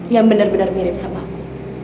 yang bener bener mirip sama aku